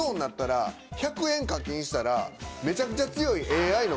１００円課金したらめちゃくちゃ強い。